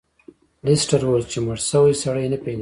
لیسټرډ وویل چې مړ شوی سړی نه پیژندل کیږي.